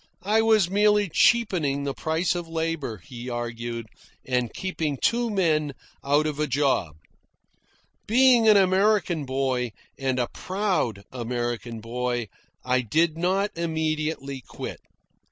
I was merely cheapening the price of labour, he argued, and keeping two men out of a job. Being an American boy, and a proud American boy, I did not immediately quit.